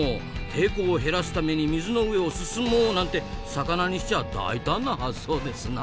抵抗を減らすために水の上を進もうなんて魚にしちゃあ大胆な発想ですな。